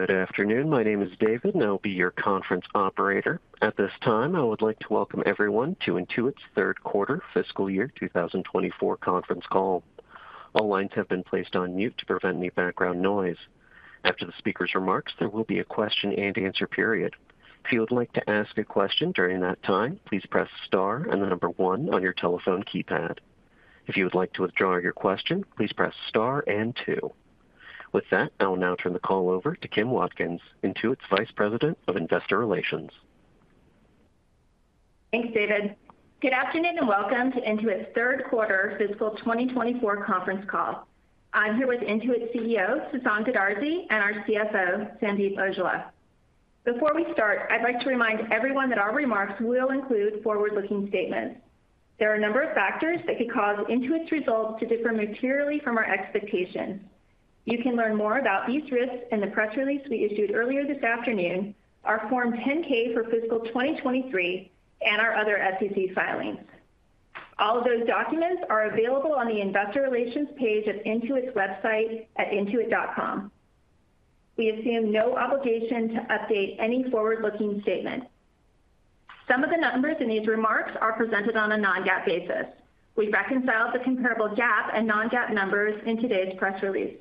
Good afternoon. My name is David, and I'll be your conference operator. At this time, I would like to welcome everyone to Intuit's third quarter fiscal year 2024 conference call. All lines have been placed on mute to prevent any background noise. After the speaker's remarks, there will be a question-and-answer period. If you would like to ask a question during that time, please press star and the number one on your telephone keypad. If you would like to withdraw your question, please press star and two. With that, I will now turn the call over to Kim Watkins, Intuit's Vice President of Investor Relations. Thanks, David. Good afternoon, and welcome to Intuit's third quarter fiscal 2024 conference call. I'm here with Intuit's CEO, Sasan Goodarzi, and our CFO, Sandeep Aujla. Before we start, I'd like to remind everyone that our remarks will include forward-looking statements. There are a number of factors that could cause Intuit's results to differ materially from our expectations. You can learn more about these risks in the press release we issued earlier this afternoon, our Form 10-K for fiscal 2023, and our other SEC filings. All of those documents are available on the investor relations page of Intuit's website at intuit.com. We assume no obligation to update any forward-looking statement. Some of the numbers in these remarks are presented on a non-GAAP basis. We've reconciled the comparable GAAP and non-GAAP numbers in today's press release.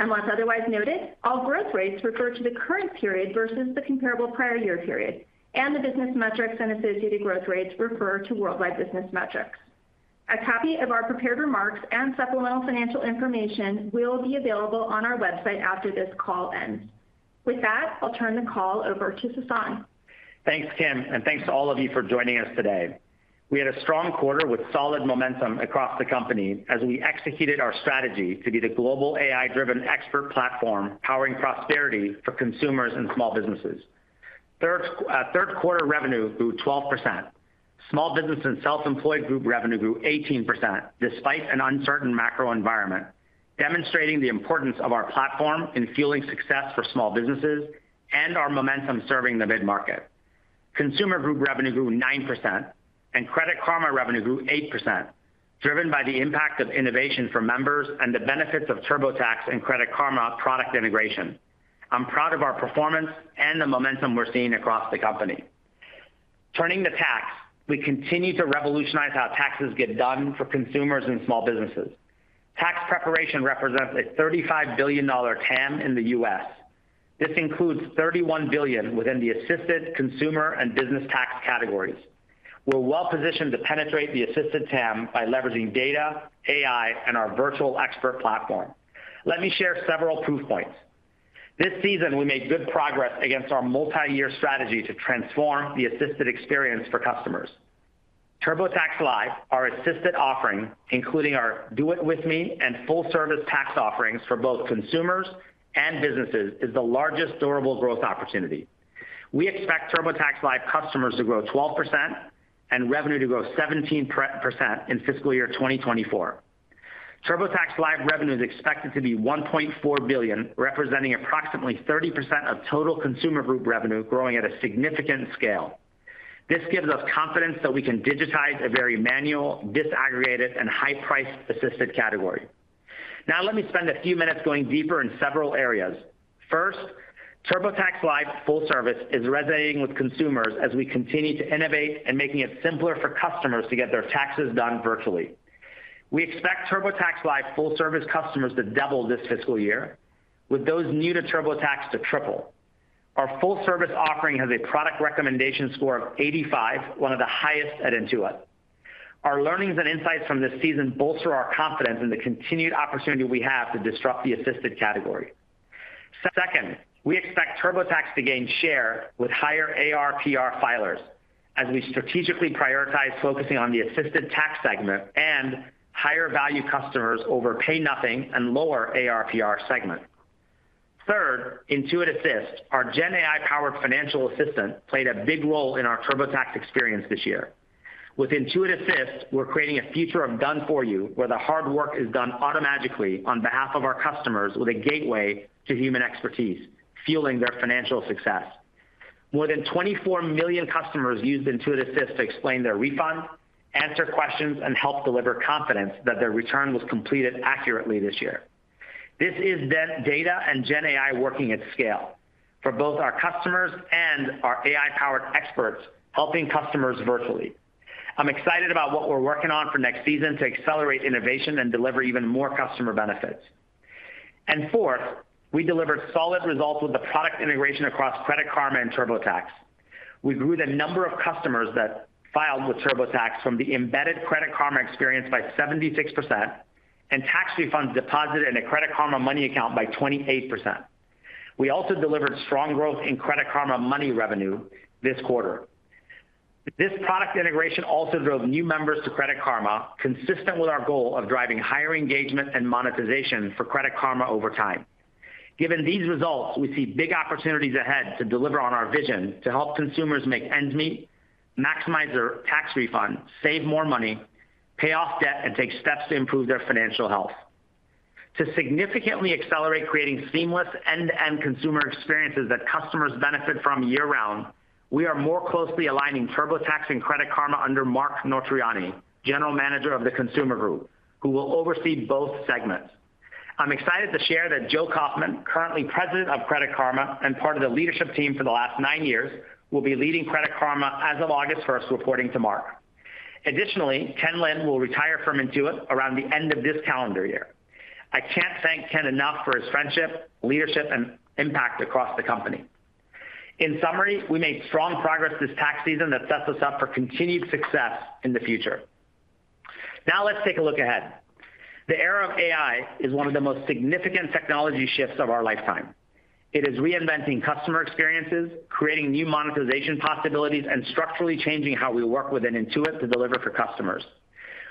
Unless otherwise noted, all growth rates refer to the current period versus the comparable prior year period, and the business metrics and associated growth rates refer to worldwide business metrics. A copy of our prepared remarks and supplemental financial information will be available on our website after this call ends. With that, I'll turn the call over to Sasan. Thanks, Kim, and thanks to all of you for joining us today. We had a strong quarter with solid momentum across the company as we executed our strategy to be the global AI-driven expert platform, powering prosperity for consumers and small businesses. Third, third quarter revenue grew 12%. Small business and self-employed group revenue grew 18%, despite an uncertain macro environment, demonstrating the importance of our platform in fueling success for small businesses and our momentum serving the mid-market. Consumer group revenue grew 9%, and Credit Karma revenue grew 8%, driven by the impact of innovation for members and the benefits of TurboTax and Credit Karma product integration. I'm proud of our performance and the momentum we're seeing across the company. Turning to tax, we continue to revolutionize how taxes get done for consumers and small businesses. Tax preparation represents a $35 billion TAM in the U.S. This includes $31 billion within the assisted consumer and business tax categories. We're well-positioned to penetrate the assisted TAM by leveraging data, AI, and our virtual expert platform. Let me share several proof points. This season, we made good progress against our multi-year strategy to transform the assisted experience for customers. TurboTax Live, our assisted offering, including our Do It With Me and full-service tax offerings for both consumers and businesses, is the largest durable growth opportunity. We expect TurboTax Live customers to grow 12% and revenue to grow 17% in fiscal year 2024. TurboTax Live revenue is expected to be $1.4 billion, representing approximately 30% of total consumer group revenue, growing at a significant scale. This gives us confidence that we can digitize a very manual, disaggregated, and high-priced assisted category. Now, let me spend a few minutes going deeper in several areas. First, TurboTax Live Full Service is resonating with consumers as we continue to innovate and making it simpler for customers to get their taxes done virtually. We expect TurboTax Live Full Service customers to double this fiscal year, with those new to TurboTax to triple. Our full service offering has a product recommendation score of 85, one of the highest at Intuit. Our learnings and insights from this season bolster our confidence in the continued opportunity we have to disrupt the assisted category. Second, we expect TurboTax to gain share with higher ARPR filers as we strategically prioritize focusing on the assisted tax segment and higher value customers over pay nothing and lower ARPR segment. Third, Intuit Assist, our GenAI-powered financial assistant, played a big role in our TurboTax experience this year. With Intuit Assist, we're creating a future of done for you, where the hard work is done automatically on behalf of our customers with a gateway to human expertise, fueling their financial success. More than 24 million customers used Intuit Assist to explain their refunds, answer questions, and help deliver confidence that their return was completed accurately this year. This is the data and GenAI working at scale for both our customers and our AI-powered experts, helping customers virtually. I'm excited about what we're working on for next season to accelerate innovation and deliver even more customer benefits. And fourth, we delivered solid results with the product integration across Credit Karma and TurboTax. We grew the number of customers that filed with TurboTax from the embedded Credit Karma experience by 76% and tax refunds deposited in a Credit Karma Money account by 28%. We also delivered strong growth in Credit Karma Money revenue this quarter. This product integration also drove new members to Credit Karma, consistent with our goal of driving higher engagement and monetization for Credit Karma over time. Given these results, we see big opportunities ahead to deliver on our vision to help consumers make ends meet, maximize their tax refund, save more money, pay off debt, and take steps to improve their financial health. To significantly accelerate creating seamless end-to-end consumer experiences that customers benefit from year-round. We are more closely aligning TurboTax and Credit Karma under Mark Notarainni, General Manager of the Consumer Group, who will oversee both segments. I'm excited to share that Joe Kauffman, currently President of Credit Karma and part of the leadership team for the last nine years, will be leading Credit Karma as of August 1st, reporting to Mark. Additionally, Ken Lin will retire from Intuit around the end of this calendar year. I can't thank Ken enough for his friendship, leadership, and impact across the company. In summary, we made strong progress this tax season that sets us up for continued success in the future. Now, let's take a look ahead. The era of AI is one of the most significant technology shifts of our lifetime. It is reinventing customer experiences, creating new monetization possibilities, and structurally changing how we work within Intuit to deliver for customers.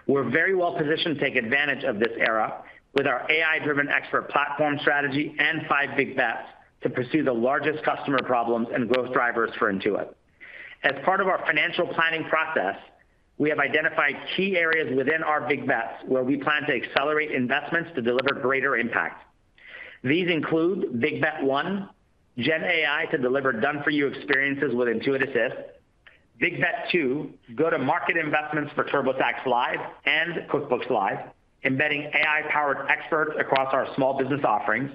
We're very well-positioned to take advantage of this era with our AI-driven expert platform strategy and five Big Bets to pursue the largest customer problems and growth drivers for Intuit. As part of our financial planning process, we have identified key areas within our big bets where we plan to accelerate investments to deliver greater impact. These include Big Bet 1, GenAI to deliver done-for-you experiences with Intuit Assist. Big Bet 2, go-to-market investments for TurboTax Live and QuickBooks Live, embedding AI-powered experts across our small business offerings.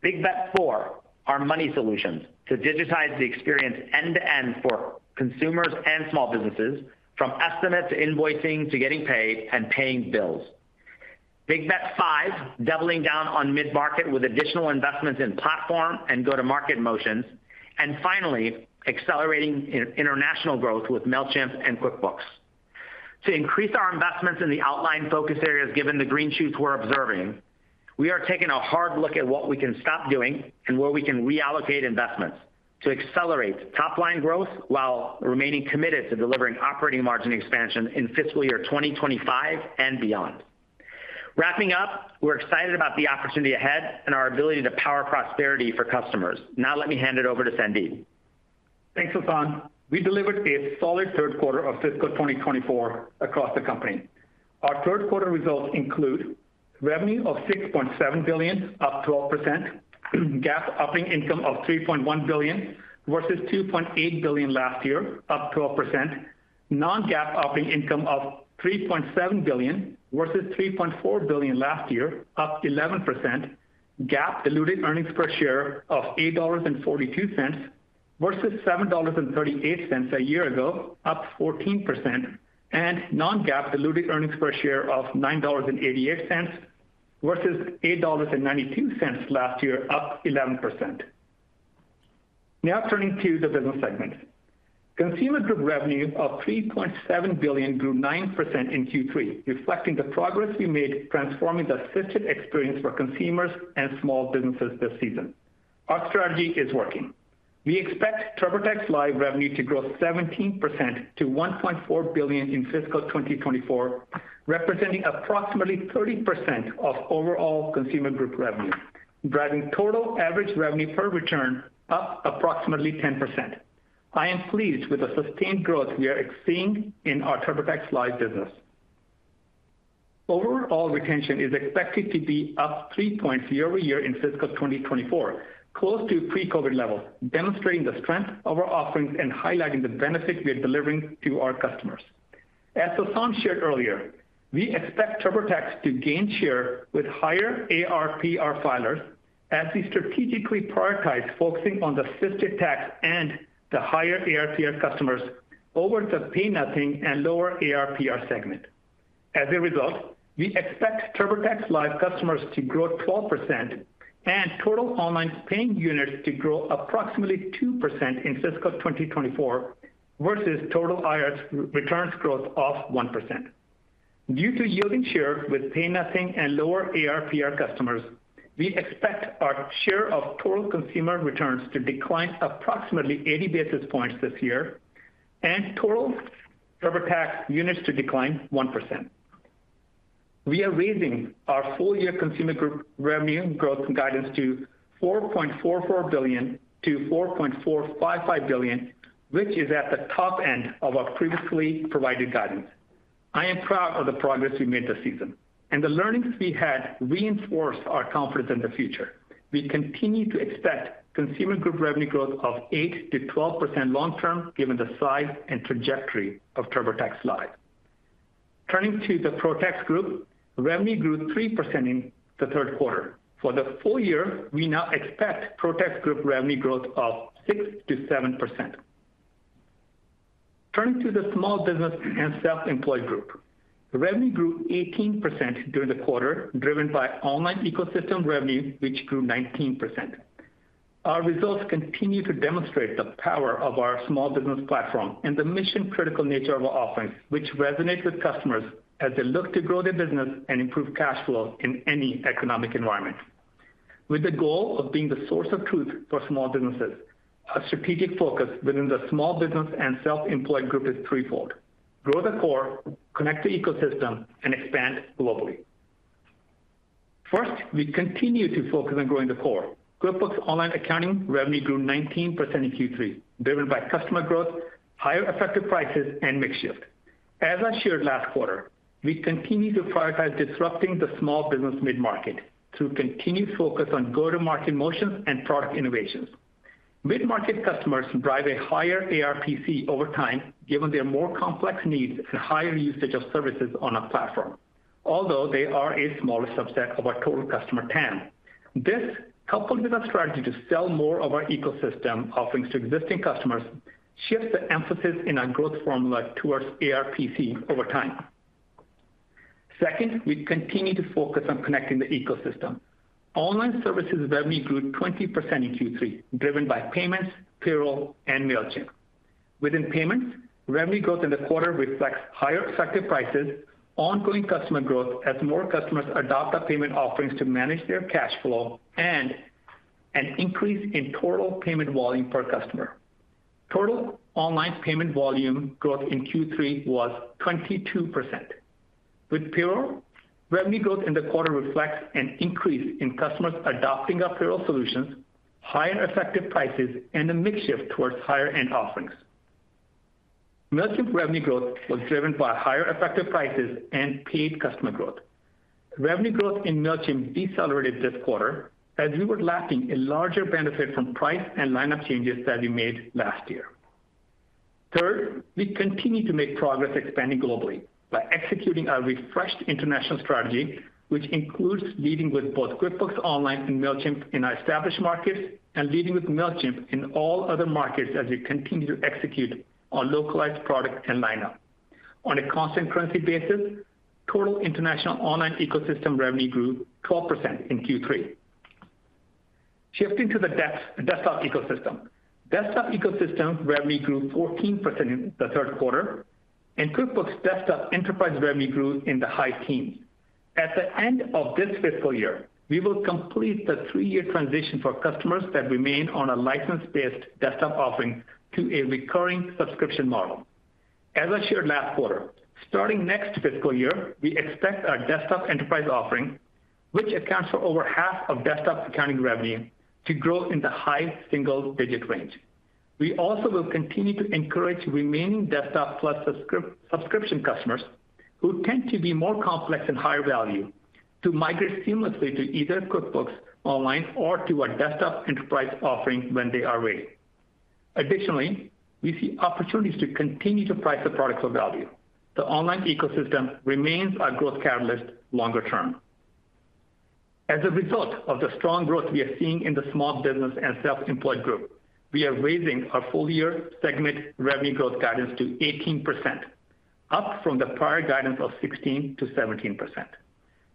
Big Bet 4, our money solutions to digitize the experience end-to-end for consumers and small businesses, from estimate to invoicing, to getting paid and paying bills. Big Bet 5, doubling down on mid-market with additional investments in platform and go-to-market motions, and finally, accelerating international growth with Mailchimp and QuickBooks. To increase our investments in the outlined focus areas, given the green shoots we're observing, we are taking a hard look at what we can stop doing and where we can reallocate investments to accelerate top line growth, while remaining committed to delivering operating margin expansion in fiscal year 2025 and beyond. Wrapping up, we're excited about the opportunity ahead and our ability to power prosperity for customers. Now let me hand it over to Sandeep. Thanks, Sasan. We delivered a solid third quarter of fiscal 2024 across the company. Our third quarter results include revenue of $6.7 billion, up 12%, GAAP operating income of $3.1 billion, versus $2.8 billion last year, up 12%. Non-GAAP operating income of $3.7 billion versus $3.4 billion last year, up 11%. GAAP diluted earnings per share of $8.42, versus $7.38 a year ago, up 14%, and non-GAAP diluted earnings per share of $9.88, versus $8.92 last year, up 11%. Now, turning to the business segments. Consumer Group revenue of $3.7 billion grew 9% in Q3, reflecting the progress we made transforming the assisted experience for consumers and small businesses this season. Our strategy is working. We expect TurboTax Live revenue to grow 17% to $1.4 billion in fiscal 2024, representing approximately 30% of overall Consumer Group revenue, driving total average revenue per return up approximately 10%. I am pleased with the sustained growth we are seeing in our TurboTax Live business. Overall, retention is expected to be up 3 points year-over-year in fiscal 2024, close to pre-COVID levels, demonstrating the strength of our offerings and highlighting the benefit we are delivering to our customers. As Sasan shared earlier, we expect TurboTax to gain share with higher ARPR filers as we strategically prioritize, focusing on the assisted tax and the higher ARPR customers over the pay nothing and lower ARPR segment. As a result, we expect TurboTax Live customers to grow 12% and total online paying units to grow approximately 2% in fiscal 2024, versus total IRS returns growth of 1%. Due to yielding share with pay nothing and lower ARPR customers, we expect our share of total consumer returns to decline approximately 80 basis points this year, and total TurboTax units to decline 1%. We are raising our full year Consumer Group revenue growth guidance to $4.44 billion-$4.455 billion, which is at the top end of our previously provided guidance. I am proud of the progress we made this season, and the learnings we had reinforce our confidence in the future. We continue to expect Consumer Group revenue growth of 8%-12% long-term, given the size and trajectory of TurboTax Live. Turning to the ProTax group, revenue grew 3% in the third quarter. For the full year, we now expect ProTax group revenue growth of 6%-7%. Turning to the small business and self-employed group, revenue grew 18% during the quarter, driven by online ecosystem revenue, which grew 19%. Our results continue to demonstrate the power of our small business platform and the mission-critical nature of our offerings, which resonate with customers as they look to grow their business and improve cash flow in any economic environment. With the goal of being the source of truth for small businesses, our strategic focus within the small business and self-employed group is threefold: Grow the core, connect the ecosystem, and expand globally. First, we continue to focus on growing the core. QuickBooks Online accounting revenue grew 19% in Q3, driven by customer growth-... higher effective prices, and mix shift. As I shared last quarter, we continue to prioritize disrupting the small business mid-market through continued focus on go-to-market motions and product innovations. Mid-market customers drive a higher ARPC over time, given their more complex needs and higher usage of services on our platform, although they are a smaller subset of our total customer TAM. This, coupled with our strategy to sell more of our ecosystem offerings to existing customers, shifts the emphasis in our growth formula towards ARPC over time. Second, we continue to focus on connecting the ecosystem. Online services revenue grew 20% in Q3, driven by payments, payroll, and Mailchimp. Within payments, revenue growth in the quarter reflects higher effective prices, ongoing customer growth as more customers adopt our payment offerings to manage their cash flow, and an increase in total payment volume per customer. Total online payment volume growth in Q3 was 22%. With payroll, revenue growth in the quarter reflects an increase in customers adopting our payroll solutions, higher effective prices, and a mix shift towards higher-end offerings. Mailchimp revenue growth was driven by higher effective prices and paid customer growth. Revenue growth in Mailchimp decelerated this quarter as we were lacking a larger benefit from price and lineup changes that we made last year. Third, we continue to make progress expanding globally by executing our refreshed international strategy, which includes leading with both QuickBooks Online and Mailchimp in our established markets, and leading with Mailchimp in all other markets as we continue to execute on localized product and lineup. On a constant currency basis, total international online ecosystem revenue grew 12% in Q3. Shifting to the desktop ecosystem. Desktop ecosystem revenue grew 14% in the third quarter, and QuickBooks Desktop Enterprise revenue grew in the high teens. At the end of this fiscal year, we will complete the three-year transition for customers that remain on a license-based desktop offering to a recurring subscription model. As I shared last quarter, starting next fiscal year, we expect our Desktop Enterprise offering, which accounts for over half of desktop accounting revenue, to grow in the high single-digit range. We also will continue to encourage remaining Desktop Plus subscription customers, who tend to be more complex and higher value, to migrate seamlessly to either QuickBooks Online or to our Desktop Enterprise offering when they are ready. Additionally, we see opportunities to continue to price the products for value. The online ecosystem remains our growth catalyst longer term. As a result of the strong growth we are seeing in the small business and self-employed group, we are raising our full-year segment revenue growth guidance to 18%, up from the prior guidance of 16%-17%.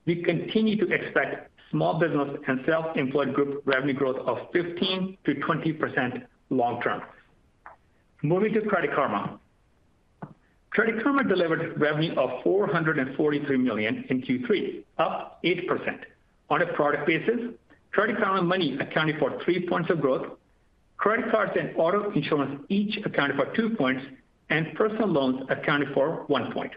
We continue to expect small business and self-employed group revenue growth of 15%-20% long-term. Moving to Credit Karma. Credit Karma delivered revenue of $443 million in Q3, up 8%. On a product basis, Credit Karma Money accounted for 3 points of growth, credit cards and auto insurance each accounted for 2 points, and personal loans accounted for 1 point.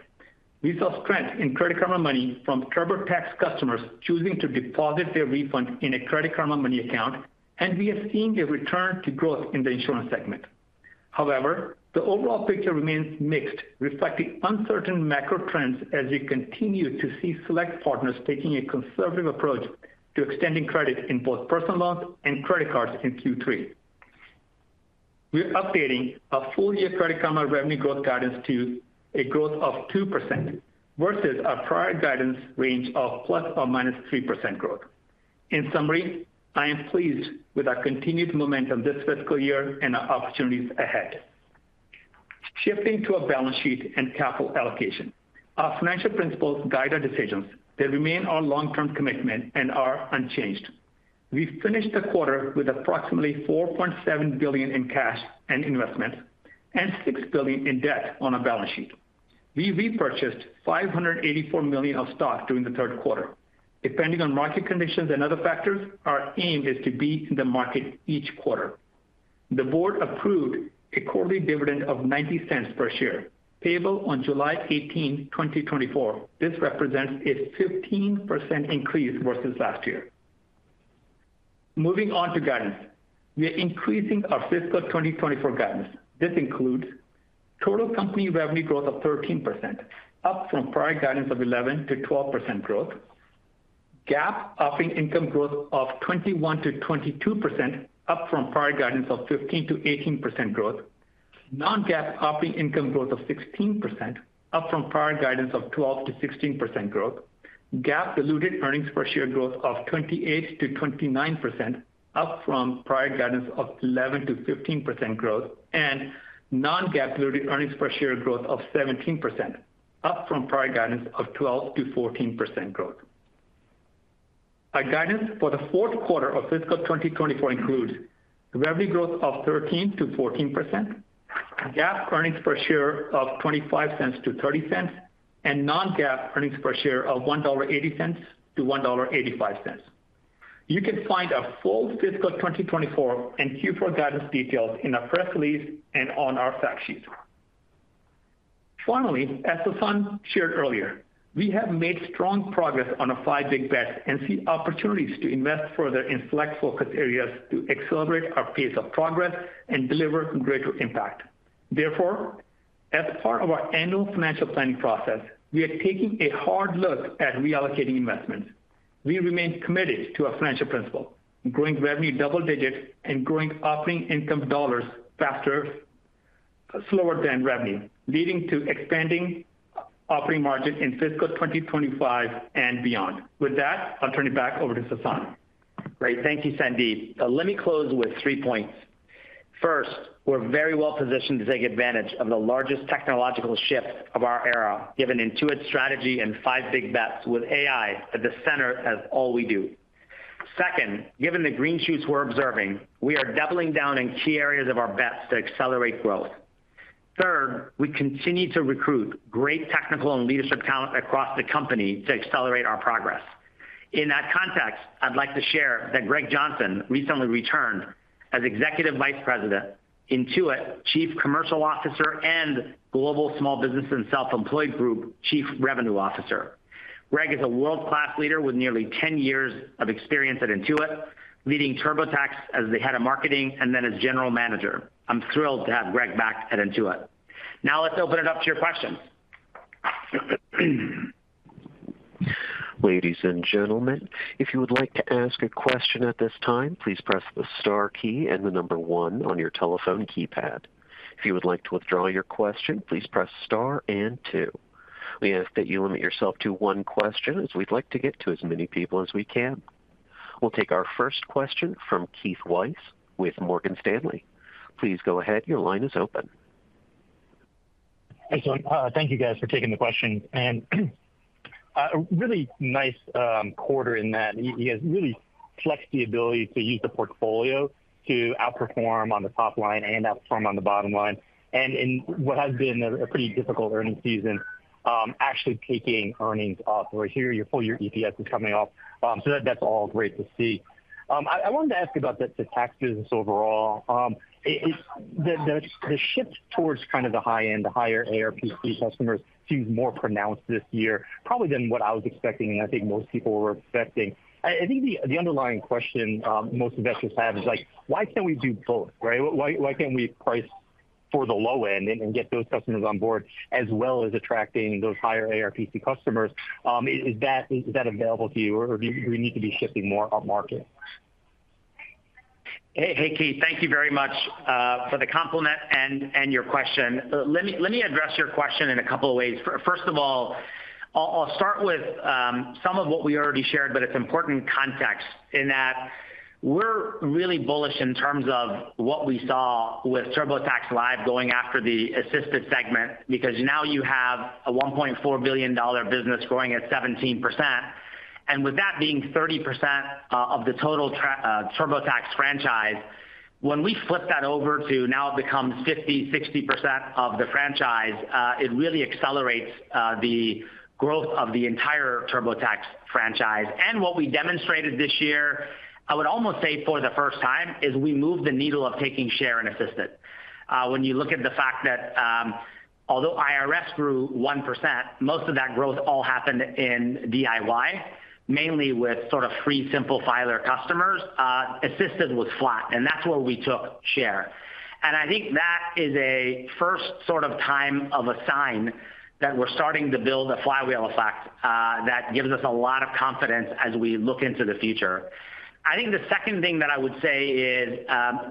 We saw strength in Credit Karma Money from TurboTax customers choosing to deposit their refund in a Credit Karma Money account, and we are seeing a return to growth in the insurance segment. However, the overall picture remains mixed, reflecting uncertain macro trends as we continue to see select partners taking a conservative approach to extending credit in both personal loans and credit cards in Q3. We're updating our full-year Credit Karma revenue growth guidance to a growth of 2% versus our prior guidance range of ±3% growth. In summary, I am pleased with our continued momentum this fiscal year and our opportunities ahead. Shifting to our balance sheet and capital allocation. Our financial principles guide our decisions. They remain our long-term commitment and are unchanged. We finished the quarter with approximately $4.7 billion in cash and investments, and $6 billion in debt on our balance sheet. We repurchased $584 million of stock during the third quarter. Depending on market conditions and other factors, our aim is to be in the market each quarter. The board approved a quarterly dividend of $0.90 per share, payable on July 18, 2024. This represents a 15% increase versus last year. Moving on to guidance. We are increasing our fiscal 2024 guidance. This includes total company revenue growth of 13%, up from prior guidance of 11%-12% growth, GAAP operating income growth of 21%-22%, up from prior guidance of 15%-18% growth, non-GAAP operating income growth of 16%, up from prior guidance of 12%-16% growth, GAAP diluted earnings per share growth of 28%-29%, up from prior guidance of 11%-15% growth, and non-GAAP diluted earnings per share growth of 17%, up from prior guidance of 12%-14% growth. Our guidance for the fourth quarter of fiscal 2024 includes revenue growth of 13%-14%, GAAP earnings per share of $0.25-$0.30, and non-GAAP earnings per share of $1.80-$1.85. You can find our full fiscal 2024 and Q4 guidance details in our press release and on our fact sheet...Finally, as Sasan shared earlier, we have made strong progress on our five Big Bets and see opportunities to invest further in select focus areas to accelerate our pace of progress and deliver greater impact. Therefore, as part of our annual financial planning process, we are taking a hard look at reallocating investments. We remain committed to our financial principle, growing revenue double digits and growing operating income dollars faster, slower than revenue, leading to expanding operating margin in fiscal 2025 and beyond. With that, I'll turn it back over to Sasan. Great. Thank you, Sandeep. Let me close with 3 points. First, we're very well positioned to take advantage of the largest technological shift of our era, given Intuit's strategy and five Big Bets with AI at the center of all we do. Second, given the green shoots we're observing, we are doubling down in key areas of our bets to accelerate growth. Third, we continue to recruit great technical and leadership talent across the company to accelerate our progress. In that context, I'd like to share that Greg Johnson recently returned as Executive Vice President, Intuit, Chief Commercial Officer, and Global Small Business and Self-Employed Group Chief Revenue Officer. Greg is a world-class leader with nearly 10 years of experience at Intuit, leading TurboTax as the Head of Marketing and then as General Manager. I'm thrilled to have Greg back at Intuit. Now let's open it up to your questions. Ladies and gentlemen, if you would like to ask a question at this time, please press the star key and the number one on your telephone keypad. If you would like to withdraw your question, please press star and two. We ask that you limit yourself to one question, as we'd like to get to as many people as we can. We'll take our first question from Keith Weiss with Morgan Stanley. Please go ahead. Your line is open. Thanks. Thank you, guys, for taking the question. And, a really nice quarter in that you guys really flexed the ability to use the portfolio to outperform on the top line and outperform on the bottom line. And in what has been a pretty difficult earnings season, actually taking earnings up over here, your full-year EPS is coming up. So that's all great to see. I wanted to ask about the tax business overall. The shift towards kind of the high end, the higher ARPC customers, seems more pronounced this year, probably than what I was expecting, and I think most people were expecting. I think the underlying question most investors have is, like, why can't we do both, right? Why can't we price for the low end and get those customers on board, as well as attracting those higher ARPC customers? Is that available to you, or do you need to be shifting more upmarket? Hey, hey, Keith. Thank you very much for the compliment and your question. Let me address your question in a couple of ways. First of all, I'll start with some of what we already shared, but it's important context, in that we're really bullish in terms of what we saw with TurboTax Live going after the assisted segment, because now you have a $1.4 billion business growing at 17%. And with that being 30% of the total TurboTax franchise, when we flip that over to now it becomes 50%, 60% of the franchise, it really accelerates the growth of the entire TurboTax franchise. And what we demonstrated this year, I would almost say for the first time, is we moved the needle of taking share in assisted. When you look at the fact that, although IRS grew 1%, most of that growth all happened in DIY, mainly with sort of free simple filer customers. Assisted was flat, and that's where we took share. I think that is a first sort of time of a sign that we're starting to build a flywheel effect, that gives us a lot of confidence as we look into the future. I think the second thing that I would say is,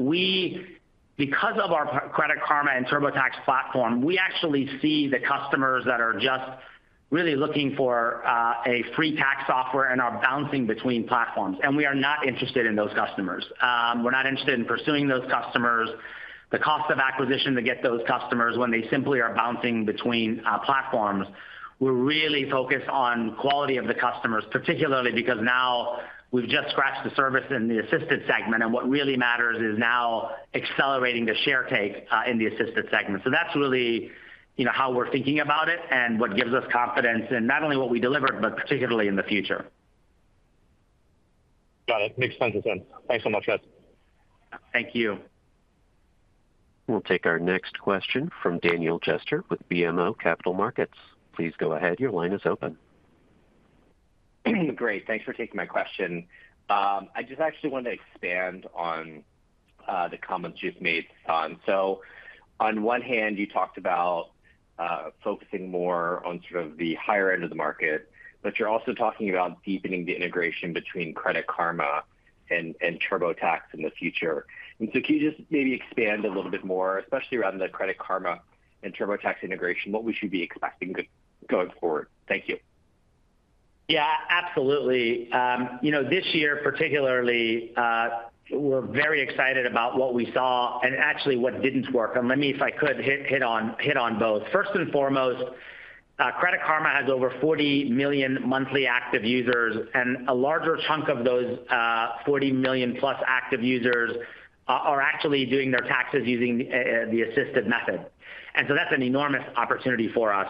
we because of our Credit Karma and TurboTax platform, we actually see the customers that are just really looking for, a free tax software and are bouncing between platforms, and we are not interested in those customers. We're not interested in pursuing those customers. The cost of acquisition to get those customers when they simply are bouncing between platforms, we're really focused on quality of the customers, particularly because now we've just scratched the surface in the assisted segment, and what really matters is now accelerating the share take in the assisted segment. So that's really, you know, how we're thinking about it and what gives us confidence in not only what we delivered, but particularly in the future. Got it. Makes sense, then. Thanks so much, guys. Thank you. We'll take our next question from Daniel Jester with BMO Capital Markets. Please go ahead. Your line is open. Great. Thanks for taking my question. I just actually wanted to expand on the comments you've made, Sasan. So on one hand, you talked about focusing more on sort of the higher end of the market, but you're also talking about deepening the integration between Credit Karma and TurboTax in the future. And so can you just maybe expand a little bit more, especially around the Credit Karma and TurboTax integration, what we should be expecting going forward? Thank you. Yeah, absolutely. You know, this year particularly, we're very excited about what we saw and actually what didn't work. And let me, if I could, hit on both. First and foremost, Credit Karma has over 40 million monthly active users, and a larger chunk of those 40+ million active users are actually doing their taxes using the assisted method, and so that's an enormous opportunity for us.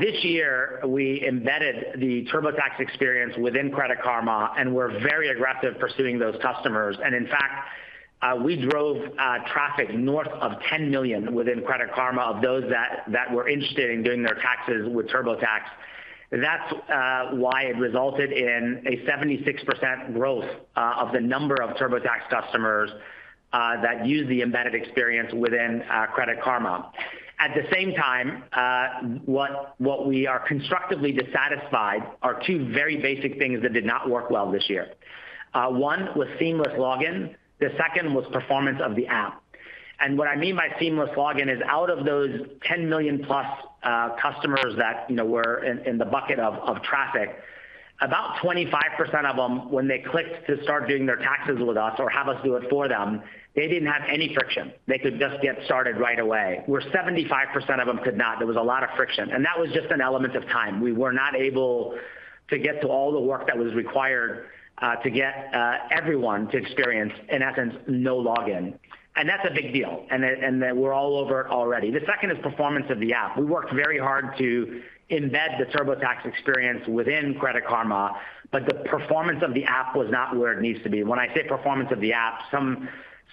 This year, we embedded the TurboTax experience within Credit Karma, and we're very aggressive pursuing those customers. And in fact, we drove traffic north of 10 million within Credit Karma of those that were interested in doing their taxes with TurboTax. That's why it resulted in a 76% growth of the number of TurboTax customers that use the embedded experience within Credit Karma. At the same time, what we are constructively dissatisfied are two very basic things that did not work well this year. One was seamless login. The second was performance of the app. And what I mean by seamless login is out of those 10+ million, you know, customers that were in the bucket of traffic, about 25% of them, when they clicked to start doing their taxes with us or have us do it for them, they didn't have any friction. They could just get started right away, where 75% of them could not. There was a lot of friction, and that was just an element of time. We were not able to get to all the work that was required, to get everyone to experience, in essence, no login. And that's a big deal, and that we're all over it already. The second is performance of the app. We worked very hard to embed the TurboTax experience within Credit Karma, but the performance of the app was not where it needs to be. When I say performance of the app,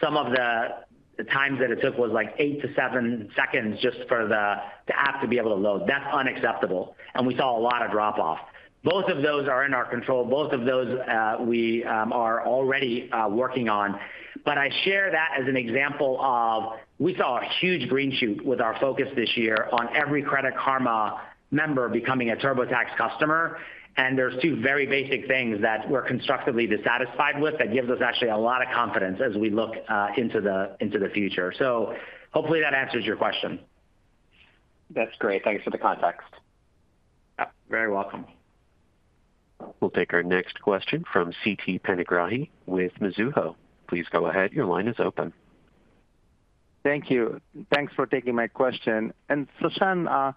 some of the times that it took was, like, eight to seven seconds just for the app to be able to load. That's unacceptable, and we saw a lot of drop off. Both of those are in our control. Both of those, we are already working on. But I share that as an example of we saw a huge green shoot with our focus this year on every Credit Karma member becoming a TurboTax customer, and there's two very basic things that we're constructively dissatisfied with. That gives us actually a lot of confidence as we look into the future. So hopefully that answers your question. That's great. Thanks for the context. You're very welcome. We'll take our next question from Siti Panigrahi with Mizuho. Please go ahead. Your line is open. Thank you. Thanks for taking my question. And Sasan, I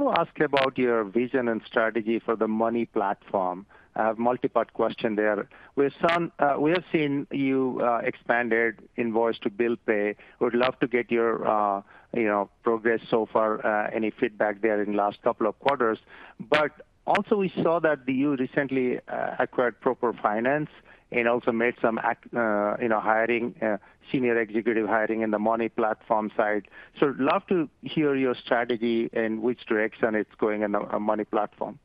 want to ask about your vision and strategy for the money platform. I have a multipart question there. We've seen we have seen you expanded invoice to bill pay. Would love to get your, you know, progress so far, any feedback there in the last couple of quarters. But also we saw that you recently acquired Proper Finance and also made some, you know, hiring, senior executive hiring in the money platform side. So love to hear your strategy and which direction it's going in the money platform.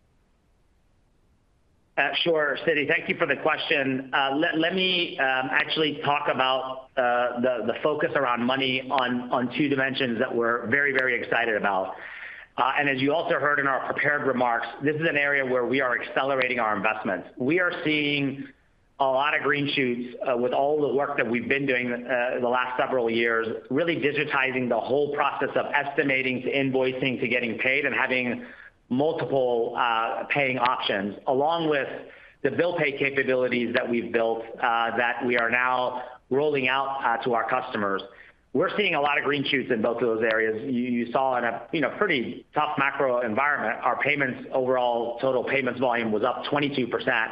Sure, Siti. Thank you for the question. Let me actually talk about the focus around money on two dimensions that we're very, very excited about. And as you also heard in our prepared remarks, this is an area where we are accelerating our investments. We are seeing a lot of green shoots with all the work that we've been doing in the last several years, really digitizing the whole process of estimating, to invoicing, to getting paid and having multiple paying options, along with the bill pay capabilities that we've built that we are now rolling out to our customers. We're seeing a lot of green shoots in both of those areas. You, you saw in a, you know, pretty tough macro environment, our payments, overall total payments volume was up 22%,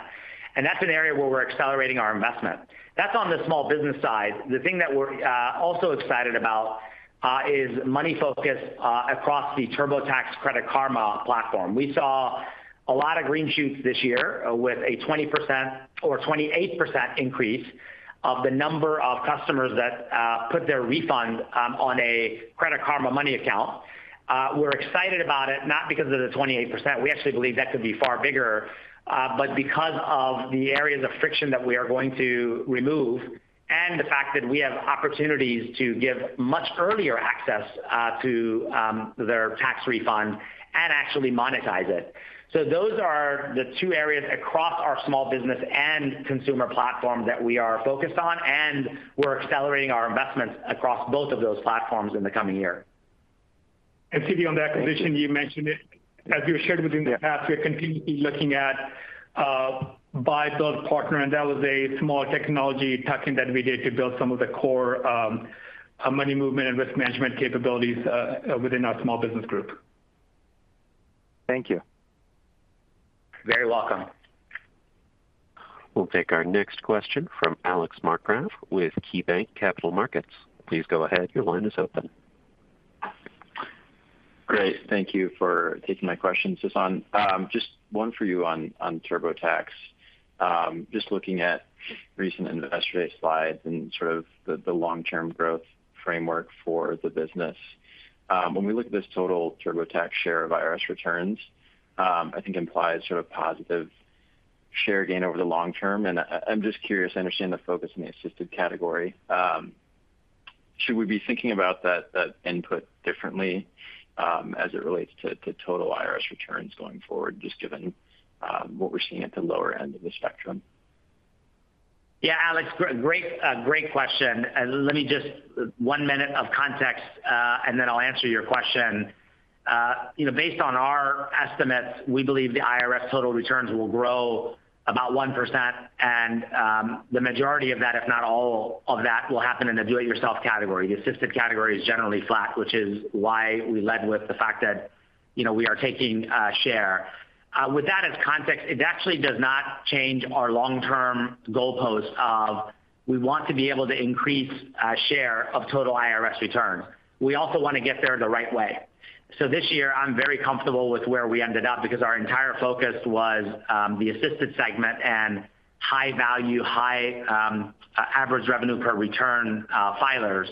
and that's an area where we're accelerating our investment. That's on the small business side. The thing that we're also excited about is money focus across the TurboTax Credit Karma platform. We saw a lot of green shoots this year with a 20% or 28% increase of the number of customers that put their refund on a Credit Karma Money account. We're excited about it not because of the 28%, we actually believe that could be far bigger, but because of the areas of friction that we are going to remove and the fact that we have opportunities to give much earlier access to their tax refund and actually monetize it. Those are the two areas across our small business and consumer platform that we are focused on, and we're accelerating our investments across both of those platforms in the coming year. Siti, on the acquisition, you mentioned it. As we shared with you in the past, we are continually looking at buy, build, partner, and that was a small technology tuck-in that we did to build some of the core money movement and risk management capabilities within our small business group. Thank you. Very welcome. We'll take our next question from Alex Markgraf with KeyBanc Capital Markets. Please go ahead. Your line is open. Great. Thank you for taking my question, Sasan. Just one for you on TurboTax. Just looking at recent and yesterday's slides and sort of the long-term growth framework for the business. When we look at this total TurboTax share of IRS returns, I think implies sort of positive share gain over the long-term, and I'm just curious. I understand the focus in the assisted category. Should we be thinking about that input differently as it relates to total IRS returns going forward, just given what we're seeing at the lower end of the spectrum? Yeah, Alex, great, great question. Let me just one minute of context, and then I'll answer your question. You know, based on our estimates, we believe the IRS total returns will grow about 1%, and, the majority of that, if not all of that, will happen in the do-it-yourself category. The assisted category is generally flat, which is why we led with the fact that, you know, we are taking, share. With that as context, it actually does not change our long-term goalpost of, we want to be able to increase, share of total IRS returns. We also want to get there the right way. So this year I'm very comfortable with where we ended up because our entire focus was, the assisted segment, and high value, high average revenue per return filers.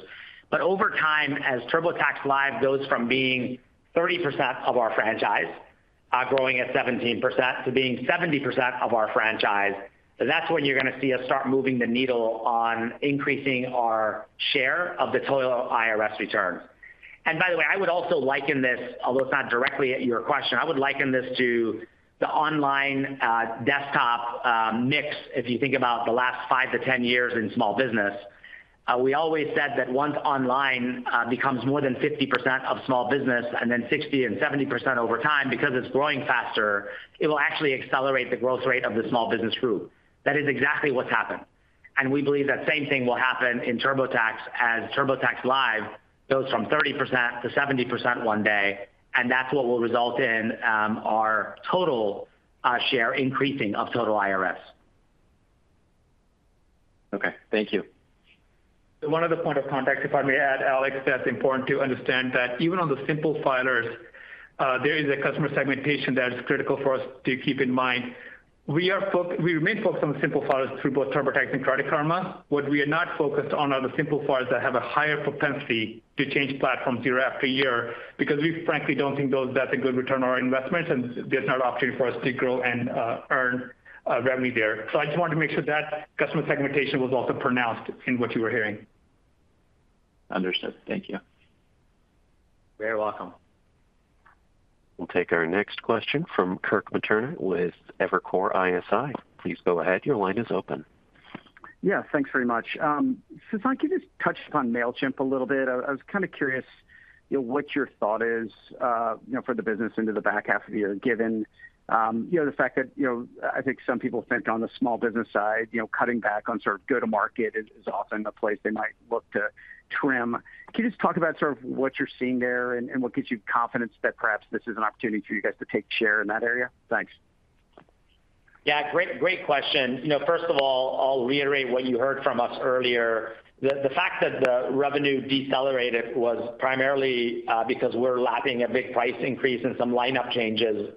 But over time, as TurboTax Live goes from being 30% of our franchise, growing at 17%, to being 70% of our franchise, so that's when you're gonna see us start moving the needle on increasing our share of the total IRS returns. And by the way, I would also liken this, although it's not directly at your question, I would liken this to the online, desktop, mix. If you think about the last five to 10 years in small business, we always said that once online, becomes more than 50% of small business, and then 60% and 70% over time, because it's growing faster, it will actually accelerate the growth rate of the small business group. That is exactly what's happened, and we believe that same thing will happen in TurboTax, as TurboTax Live goes from 30% to 70% one day, and that's what will result in our total share increasing of total IRS. Okay, thank you. One other point of contact, if I may add, Alex, that's important to understand that even on the simple filers, there is a customer segmentation that is critical for us to keep in mind. We remain focused on the simple filers through both TurboTax and Credit Karma. What we are not focused on are the simple filers that have a higher propensity to change platforms year after year, because we frankly don't think that's a good return on our investment, and there's no opportunity for us to grow and earn revenue there. So I just wanted to make sure that customer segmentation was also pronounced in what you were hearing. Understood. Thank you. You're welcome. We'll take our next question from Kirk Materne with Evercore ISI. Please go ahead. Your line is open. Yeah, thanks very much. Sasan, can you just touch upon Mailchimp a little bit? I was kind of curious, you know, what your thought is, you know, for the business into the back half of the year, given, you know, the fact that, you know, I think some people think on the small business side, you know, cutting back on sort of go-to-market is, is often a place they might look to trim. Can you just talk about sort of what you're seeing there and what gives you confidence that perhaps this is an opportunity for you guys to take share in that area? Thanks. Yeah, great, great question. You know, first of all, I'll reiterate what you heard from us earlier. The, the fact that the revenue decelerated was primarily, because we're lapping a big price increase and some lineup changes,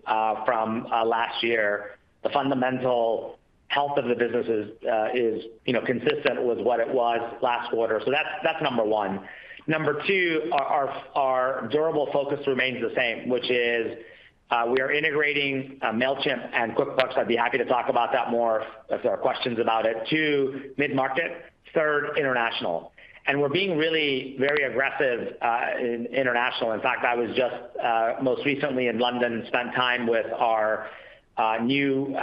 from, last year. The fundamental health of the business is, is, you know, consistent with what it was last quarter. So that's, that's number one. Number two, our, our durable focus remains the same, which is, we are integrating, Mailchimp and QuickBooks. I'd be happy to talk about that more if there are questions about it. Two, mid-market, third, international, and we're being really very aggressive, in international. In fact, I was just most recently in London, spent time with our new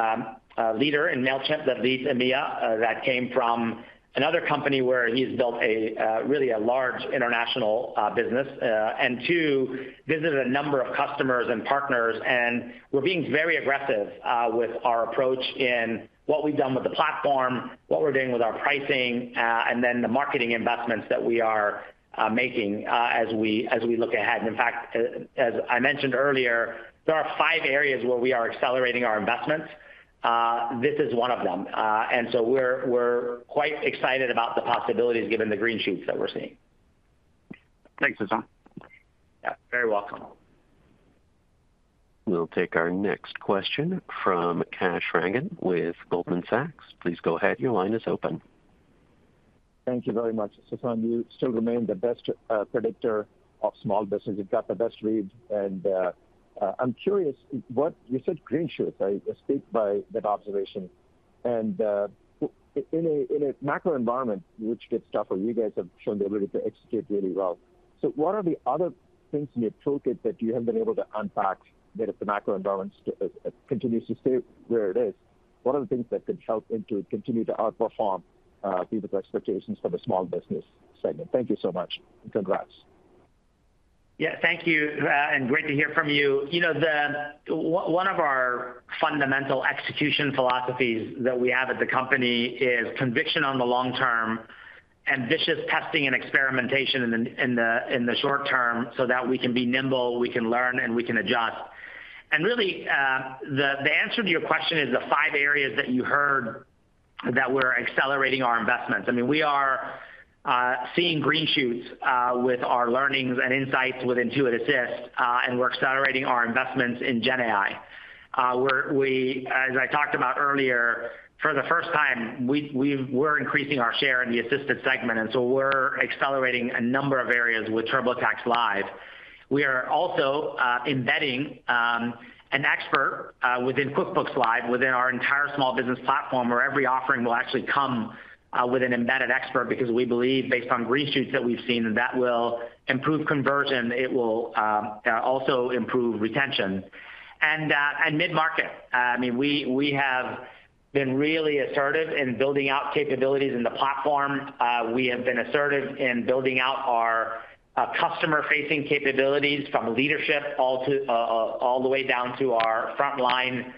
leader in Mailchimp that leads EMEA, that came from another company where he's built a really a large international business. And too, visited a number of customers and partners, and we're being very aggressive with our approach in what we've done with the platform, what we're doing with our pricing, and then the marketing investments that we are making as we look ahead. And in fact, as I mentioned earlier, there are five areas where we are accelerating our investments. This is one of them. And so we're quite excited about the possibilities, given the green shoots that we're seeing. Thanks, Sasan. Yeah, very welcome. We'll take our next question from Kash Rangan with Goldman Sachs. Please go ahead. Your line is open. Thank you very much. Sasan, you still remain the best predictor of small business. You've got the best read, and, I'm curious, what... You said green shoots. I speak by that observation, and, in a macro environment, which gets tougher, you guys have shown the ability to execute really well. So what are the other things in your toolkit that you have been able to unpack, that if the macro environment continues to stay where it is, what are the things that could help Intuit continue to outperform people's expectations for the small business segment? Thank you so much, and congrats. Yeah, thank you, and great to hear from you. You know, one of our fundamental execution philosophies that we have at the company is conviction on the long-term, ambitious testing and experimentation in the short-term, so that we can be nimble, we can learn, and we can adjust. And really, the answer to your question is the five areas that you heard that we're accelerating our investments. I mean, we are seeing green shoots with our learnings and insights with Intuit Assist, and we're accelerating our investments in GenAI. As I talked about earlier, for the first time, we're increasing our share in the assisted segment, and so we're accelerating a number of areas with TurboTax Live. We are also embedding an expert within QuickBooks Live, within our entire small business platform, where every offering will actually come with an embedded expert, because we believe, based on green shoots that we've seen, that will improve conversion. It will also improve retention. And mid-market, I mean, we have been really assertive in building out capabilities in the platform. We have been assertive in building out our customer-facing capabilities, from leadership all the way down to our frontline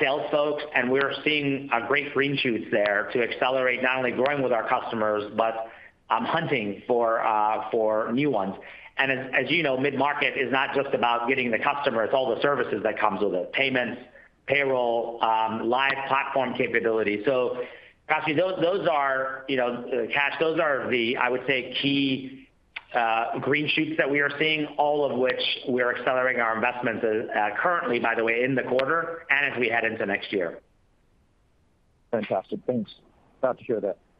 sales folks. And we're seeing great green shoots there to accelerate, not only growing with our customers, but hunting for new ones. And as you know, mid-market is not just about getting the customer, it's all the services that comes with it, payments, payroll, live platform capabilities. Kash, those are, you know, Kash, those are the, I would say, key green shoots that we are seeing, all of which we are accelerating our investments currently, by the way, in the quarter and as we head into next year. Fantastic. Thanks. Talk to you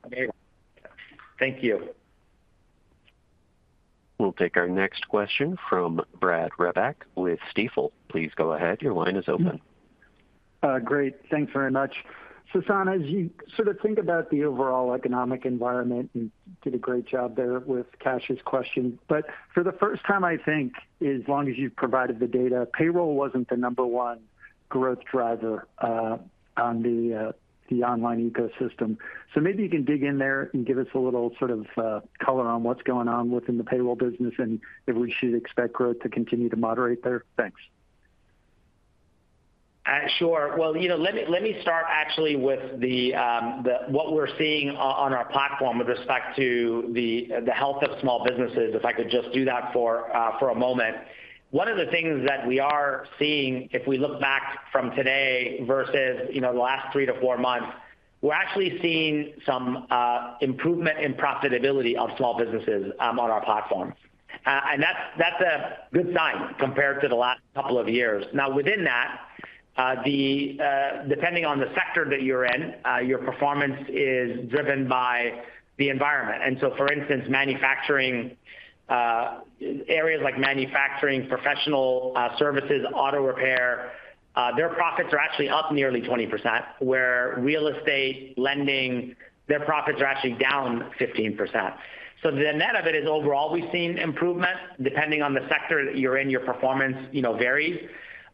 later. Thank you. We'll take our next question from Brad Reback with Stifel. Please go ahead. Your line is open. Great. Thanks very much. Sasan, as you sort of think about the overall economic environment, and did a great job there with Kash's question, but for the first time, I think, as long as you've provided the data, payroll wasn't the number one growth driver, on the, the online ecosystem. So maybe you can dig in there and give us a little sort of, color on what's going on within the payroll business, and if we should expect growth to continue to moderate there? Thanks. Sure. Well, you know, let me, let me start actually with what we're seeing on our platform with respect to the health of small businesses, if I could just do that for a moment. One of the things that we are seeing, if we look back from today versus, you know, the last three to four months, we're actually seeing some improvement in profitability of small businesses on our platform. And that's a good sign compared to the last couple of years. Now, within that, depending on the sector that you're in, your performance is driven by the environment. And so, for instance, manufacturing, areas like manufacturing, professional services, auto repair, their profits are actually up nearly 20%, where real estate, lending, their profits are actually down 15%. So the net of it is, overall, we've seen improvement. Depending on the sector that you're in, your performance, you know, varies.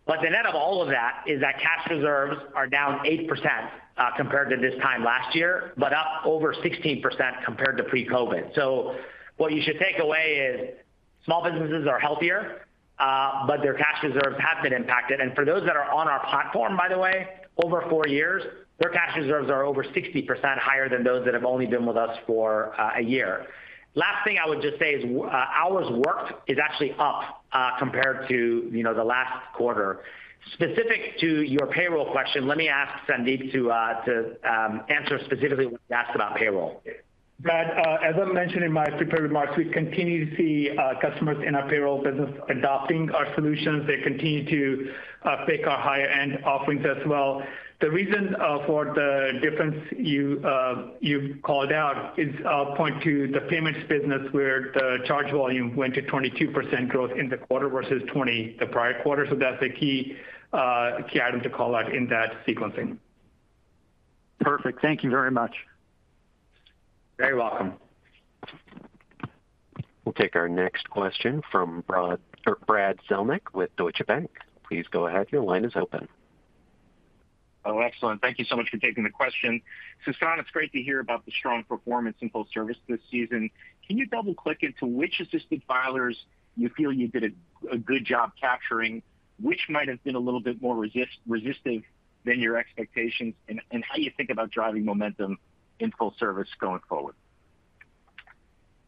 But the net of all of that is that cash reserves are down 8% compared to this time last year, but up over 16% compared to pre-COVID. So what you should take away is small businesses are healthier, but their cash reserves have been impacted. And for those that are on our platform, by the way, over four years, their cash reserves are over 60% higher than those that have only been with us for a year. Last thing I would just say is hours worked is actually up compared to, you know, the last quarter. Specific to your payroll question, let me ask Sandeep to answer specifically when you asked about payroll. Brad, as I mentioned in my prepared remarks, we continue to see customers in our payroll business adopting our solutions. They continue to pick our higher-end offerings as well. The reason for the difference you, you called out is, I'll point to the payments business, where the charge volume went to 22% growth in the quarter versus 20% the prior quarter. So that's a key, key item to call out in that sequencing. Perfect. Thank you very much. Very welcome. We'll take our next question from Brad Zelnick with Deutsche Bank. Please go ahead. Your line is open. Oh, excellent. Thank you so much for taking the question. Sasan, it's great to hear about the strong performance in full service this season. Can you double-click into which assisted filers you feel you did a good job capturing, which might have been a little bit more resistive than your expectations, and how you think about driving momentum in full service going forward?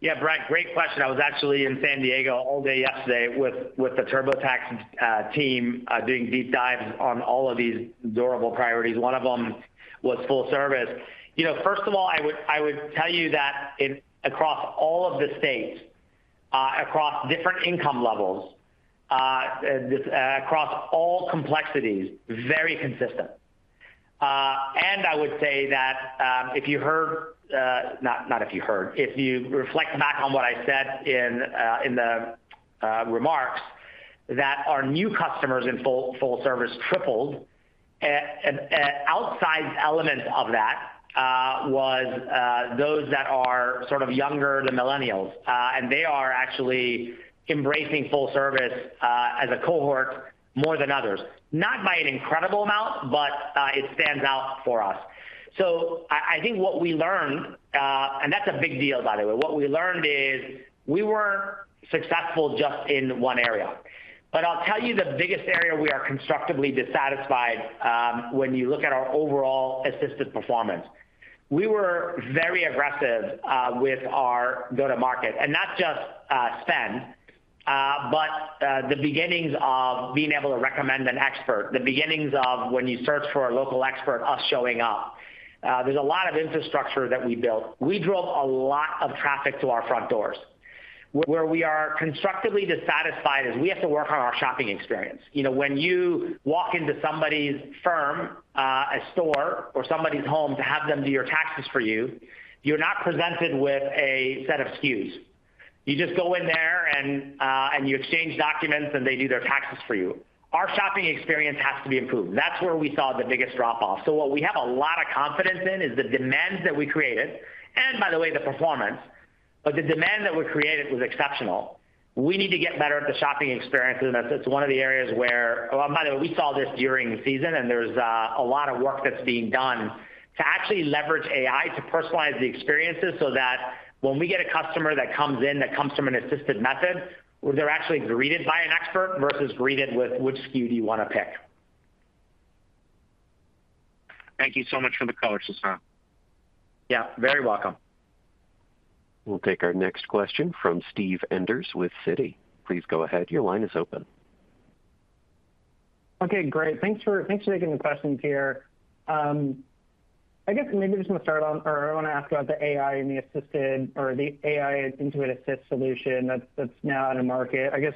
Yeah, Brad, great question. I was actually in San Diego all day yesterday with the TurboTax team, doing deep dives on all of these durable priorities. One of them was full service. You know, first of all, I would tell you that across all of the states, across different income levels, across all complexities, very consistent. And I would say that if you reflect back on what I said in the remarks, that our new customers in full service tripled. An outside element of that was those that are sort of younger, the millennials, and they are actually embracing full service as a cohort more than others. Not by an incredible amount, but it stands out for us. So I think what we learned, and that's a big deal, by the way. What we learned is we weren't successful just in one area. But I'll tell you the biggest area we are constructively dissatisfied, when you look at our overall assistant performance. We were very aggressive with our go-to-market, and not just spend, but the beginnings of being able to recommend an expert, the beginnings of when you search for a local expert, us showing up. There's a lot of infrastructure that we built. We drove a lot of traffic to our front doors. Where we are constructively dissatisfied is we have to work on our shopping experience. You know, when you walk into somebody's firm, a store or somebody's home to have them do your taxes for you, you're not presented with a set of SKUs. You just go in there, and you exchange documents, and they do their taxes for you. Our shopping experience has to be improved. That's where we saw the biggest drop-off. So what we have a lot of confidence in is the demands that we created, and by the way, the performance, but the demand that we created was exceptional. We need to get better at the shopping experience, and that's one of the areas where... Well, by the way, we saw this during the season, and there's a lot of work that's being done to actually leverage AI to personalize the experiences, so that when we get a customer that comes in, that comes from an assisted method, well, they're actually greeted by an expert versus greeted with, "Which SKU do you wanna pick?" Thank you so much for the color, Sasan. Yeah, very welcome. We'll take our next question from Steve Enders with Citi. Please go ahead. Your line is open.... Okay, great. Thanks for, thanks for taking the questions here. I guess maybe just want to start on, or I want to ask about the AI and the Assist or the AI Intuit Assist solution that's now on the market. I guess,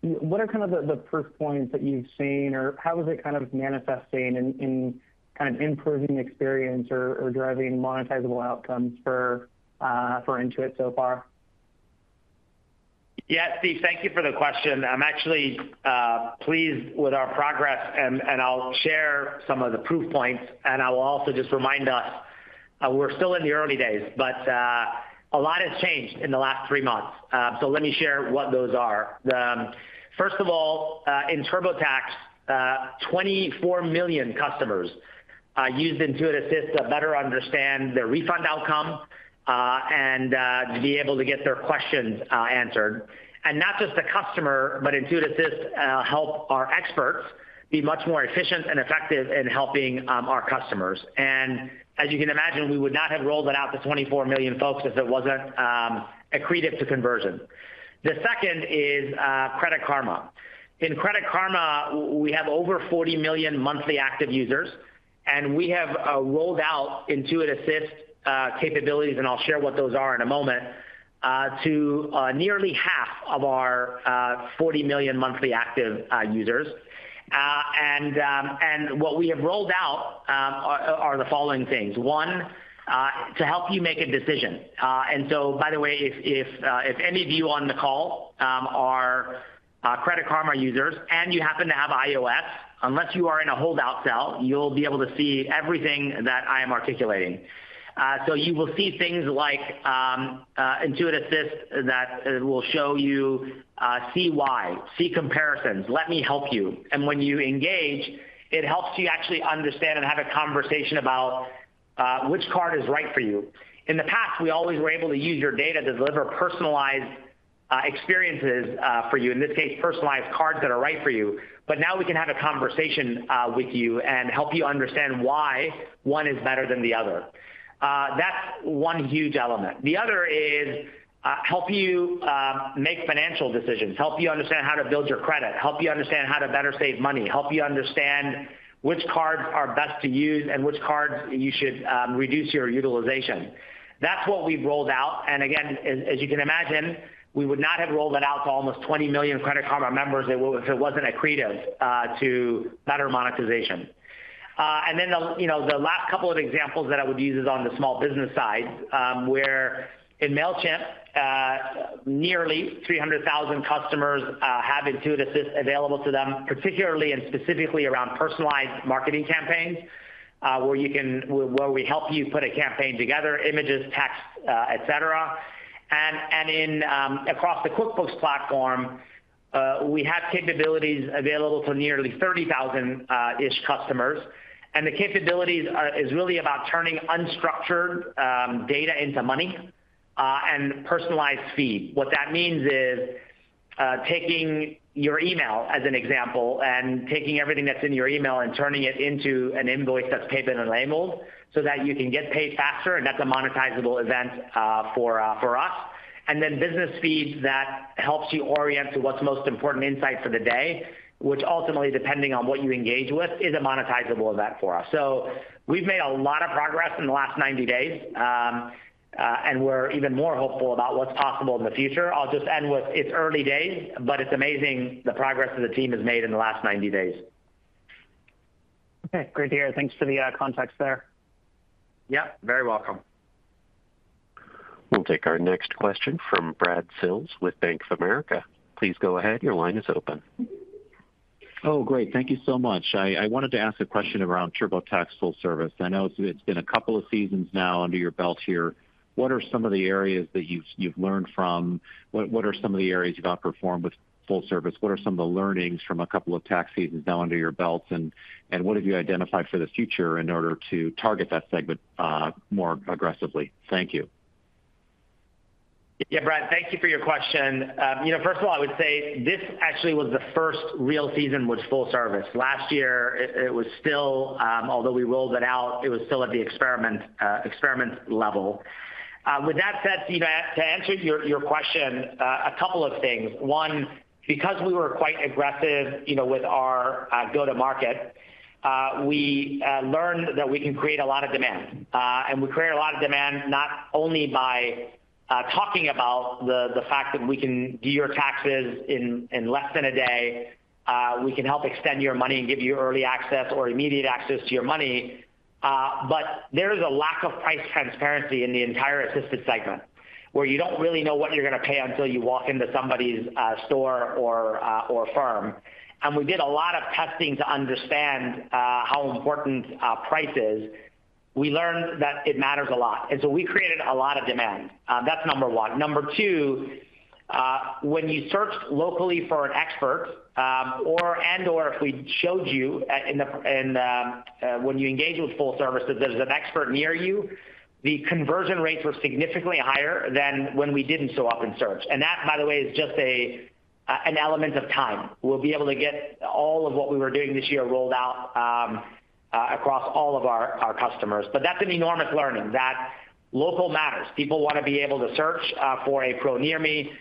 what are kind of the proof points that you've seen, or how is it kind of manifesting in kind of improving experience or driving monetizable outcomes for Intuit so far? Yeah, Steve, thank you for the question. I'm actually pleased with our progress, and I'll share some of the proof points, and I will also just remind us, we're still in the early days. But a lot has changed in the last three months. So let me share what those are. First of all, in TurboTax, 24 million customers used Intuit Assist to better understand their refund outcome, and to be able to get their questions answered. And not just the customer, but Intuit Assist helped our experts be much more efficient and effective in helping our customers. And as you can imagine, we would not have rolled it out to 24 million folks if it wasn't accretive to conversion. The second is, Credit Karma. In Credit Karma, we have over 40 million monthly active users, and we have rolled out Intuit Assist capabilities, and I'll share what those are in a moment to nearly half of our 40 million monthly active users. And what we have rolled out are the following things: One, to help you make a decision. And so, by the way, if any of you on the call are Credit Karma users, and you happen to have iOS, unless you are in a hold-out cell, you'll be able to see everything that I am articulating. So you will see things like Intuit Assist that it will show you see why, see comparisons, let me help you. When you engage, it helps you actually understand and have a conversation about which card is right for you. In the past, we always were able to use your data to deliver personalized experiences for you, in this case, personalized cards that are right for you. But now we can have a conversation with you and help you understand why one is better than the other. That's one huge element. The other is help you make financial decisions, help you understand how to build your credit, help you understand how to better save money, help you understand which cards are best to use and which cards you should reduce your utilization. That's what we've rolled out, and again, as you can imagine, we would not have rolled it out to almost 20 million Credit Karma members if it wasn't accretive to better monetization. And then the, you know, the last couple of examples that I would use is on the small business side, where in Mailchimp, nearly 300,000 customers have Intuit Assist available to them, particularly and specifically around personalized marketing campaigns, where we help you put a campaign together, images, text, et cetera. And in across the QuickBooks platform, we have capabilities available to nearly 30,000-ish customers. And the capabilities is really about turning unstructured data into money, and personalized feed. What that means is, taking your email, as an example, and taking everything that's in your email and turning it into an invoice that's paid and labeled, so that you can get paid faster, and that's a monetizable event, for us. And then business feeds that helps you orient to what's the most important insight for the day, which ultimately, depending on what you engage with, is a monetizable event for us. So we've made a lot of progress in the last 90 days, and we're even more hopeful about what's possible in the future. I'll just end with it's early days, but it's amazing the progress that the team has made in the last 90 days. Okay, great to hear. Thanks for the context there. Yep, very welcome. We'll take our next question from Brad Sills with Bank of America. Please go ahead. Your line is open. Oh, great. Thank you so much. I, I wanted to ask a question around TurboTax Full Service. I know it's, it's been a couple of seasons now under your belt here. What are some of the areas that you've, you've learned from? What, what are some of the areas you've outperformed with Full Service? What are some of the learnings from a couple of tax seasons now under your belts? And, and what have you identified for the future in order to target that segment more aggressively? Thank you. Yeah, Brad, thank you for your question. You know, first of all, I would say this actually was the first real season with Full Service. Last year, it, it was still, although we rolled it out, it was still at the experiment, experiment level. With that said, Brad, to answer your, your question, a couple of things. One, because we were quite aggressive, you know, with our, go-to-market, we, learned that we can create a lot of demand. And we create a lot of demand not only by, talking about the, the fact that we can do your taxes in, in less than a day, we can help extend your money and give you early access or immediate access to your money. But there is a lack of price transparency in the entire assisted segment, where you don't really know what you're gonna pay until you walk into somebody's store or firm. And we did a lot of testing to understand how important price is. We learned that it matters a lot, and so we created a lot of demand. That's number one. Number two, when you searched locally for an expert, or and/or if we showed you in the in when you engage with Full Service, that there's an expert near you, the conversion rates were significantly higher than when we didn't show up in search. And that, by the way, is just an element of time. We'll be able to get all of what we were doing this year rolled out... across all of our customers. But that's an enormous learning, that local matters. People wanna be able to search for a pro near me.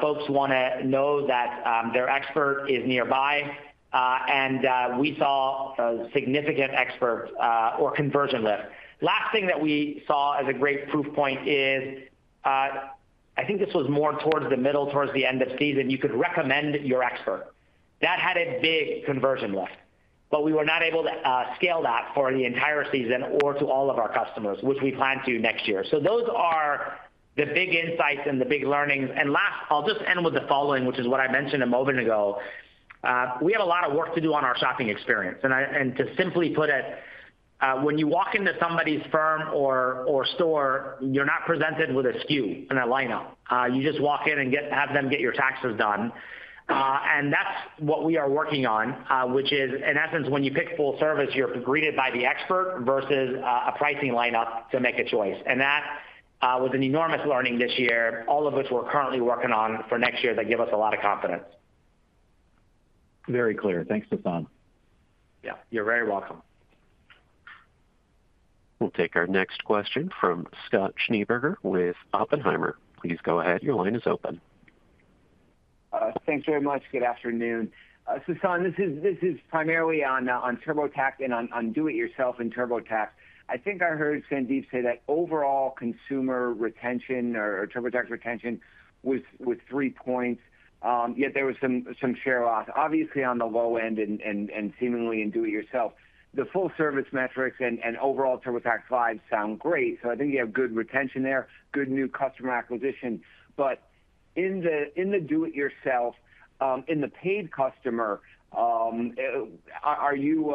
Folks wanna know that their expert is nearby. And we saw a significant expert or conversion lift. Last thing that we saw as a great proof point is, I think this was more towards the middle, towards the end of season: You could recommend your expert. That had a big conversion lift, but we were not able to scale that for the entire season or to all of our customers, which we plan to next year. So those are the big insights and the big learnings. And last, I'll just end with the following, which is what I mentioned a moment ago. We have a lot of work to do on our shopping experience, and to simply put it, when you walk into somebody's firm or store, you're not presented with a SKU and a lineup. You just walk in and have them get your taxes done. And that's what we are working on, which is, in essence, when you pick Full Service, you're greeted by the expert versus a pricing lineup to make a choice. And that was an enormous learning this year, all of which we're currently working on for next year, that give us a lot of confidence. Very clear. Thanks, Sasan. Yeah, you're very welcome. We'll take our next question from Scott Schneeberger with Oppenheimer. Please go ahead. Your line is open. Thanks very much. Good afternoon. Sasan, this is primarily on TurboTax and on do-it-yourself and TurboTax. I think I heard Sandeep say that overall consumer retention or TurboTax retention was with 3 points, yet there was some share loss, obviously, on the low end and seemingly in do-it-yourself. The full-service metrics and overall TurboTax vibes sound great, so I think you have good retention there, good new customer acquisition. But in the do-it-yourself, in the paid customer, are you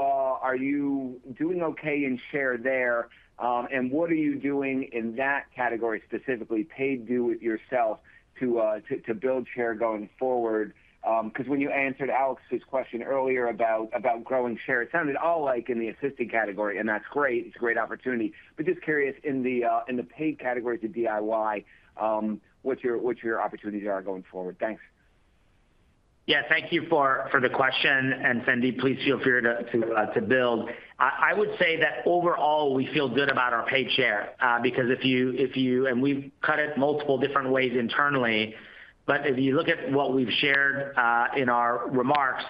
doing okay in share there? And what are you doing in that category, specifically paid do-it-yourself, to build share going forward? 'Cause when you answered Alex's question earlier about, about growing share, it sounded all like in the assisted category, and that's great. It's a great opportunity. But just curious, in the, in the paid category to DIY, what your, what your opportunities are going forward? Thanks. Yeah, thank you for the question, and Sandeep, please feel free to build. I would say that overall, we feel good about our paid share, because if you -- and we've cut it multiple different ways internally, but if you look at what we've shared in our remarks,